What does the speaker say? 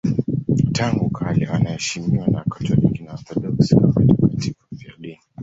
Tangu kale wanaheshimiwa na Wakatoliki na Waorthodoksi kama watakatifu wafiadini.